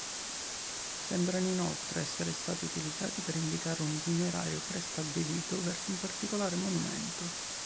Sembrano inoltre essere stati utilizzati per indicare un itinerario prestabilito verso un particolare monumento.